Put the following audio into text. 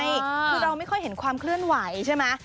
คือเราไม่ค่อยเห็นความเคลื่อนไหวใช่ไหม